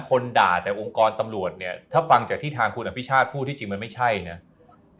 คนด่าแต่องค์กรตำรวจเนี่ยถ้าฟังจากที่ทางคุณอภิชาติพูดที่จริงมันไม่ใช่นะ